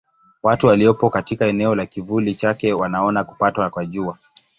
Watu waliopo katika eneo la kivuli chake wanaona kupatwa kwa Jua.